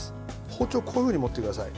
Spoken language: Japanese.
包丁をこういうふうに持ってください。